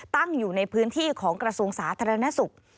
ตั้งอยู่ในพื้นที่ของกระทรวงสาธารณสุข